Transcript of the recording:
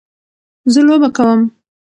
زه لوبه کوم.